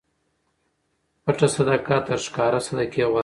پټه صدقه تر ښکاره صدقې غوره ده.